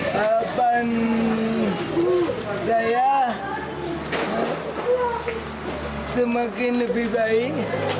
harapan saya semakin lebih baik